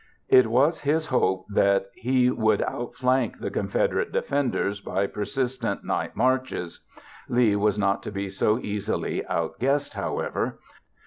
It was his hope that he would outflank the Confederate defenders by persistent night marches. Lee was not to be so easily outguessed, however.